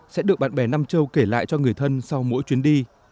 sẽ được bạn bè nam châu kể lại cho người thân sau mỗi chuyến đi